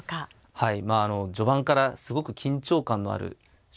はい。